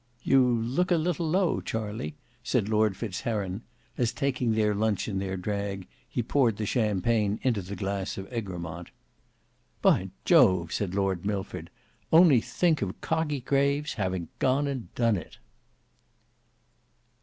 "You look a little low, Charley," said Lord Fitzheron, as taking their lunch in their drag he poured the champagne into the glass of Egremont. "By Jove!" said Lord Milford, "Only think of Cockie Graves having gone and done it!"